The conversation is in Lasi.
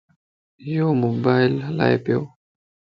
يوموبائل ھلائي پيو